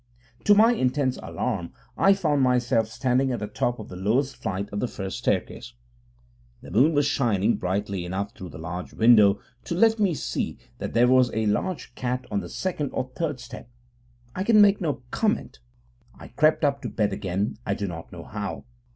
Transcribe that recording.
To my intense alarm I found myself standing at the top of the lowest flight of the first staircase. The moon was shining brightly enough through the large window to let me see that there was a large cat on the second or third step. I can make no comment. I crept up to bed again, I do not know how.